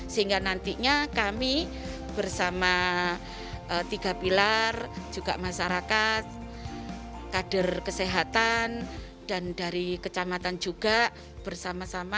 sehingga nantinya kami bersama tiga pilar juga masyarakat kader kesehatan dan dari kecamatan juga bersama sama